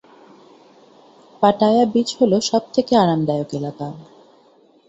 Pattaya beach হল সবথেকে আরামদায়ক এলাকা।